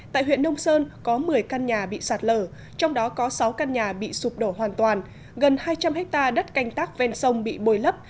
tại huyện nông sơn có một mươi căn nhà bị sạt lở trong đó có sáu căn nhà bị sụp đổ hoàn toàn gần hai trăm linh hectare đất canh tác ven sông bị bồi lấp